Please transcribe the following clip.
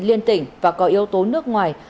liên tỉnh và có yếu tố nước ngoài